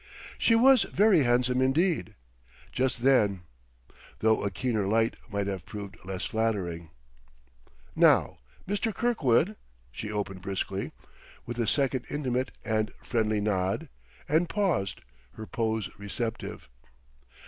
She was very handsome indeed, just then; though a keener light might have proved less flattering. "Now, Mr. Kirkwood?" she opened briskly, with a second intimate and friendly nod; and paused, her pose receptive.